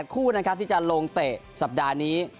๘คู่ที่จะลงเตะสัปดาห์นี้